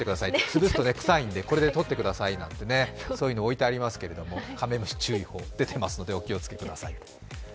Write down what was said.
潰すと臭いので、これでとってくださいなんて置いてありますけどカメムシ注意報、出てますのでお気をつけください。